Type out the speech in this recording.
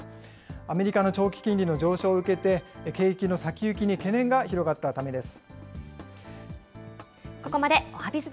アメリカの長期金利の上昇を受けて、景気の先行きに懸念が広がったためです。